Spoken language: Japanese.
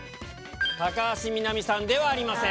高橋みなみさんではありません。